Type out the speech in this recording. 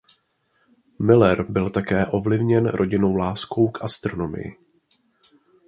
Muller byl také ovlivněn rodinou láskou k astronomii.